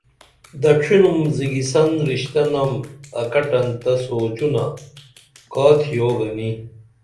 دڇھینُم زیگیسن رشتہ نم اکٹن تہ سوچونہ کا تِھیو گنی